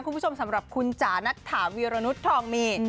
คุณผู้ชมสำหรับคุณจ๋านัทถาวีรณุษย์ทองมี